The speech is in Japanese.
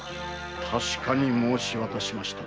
確かに申し渡しましたぞ。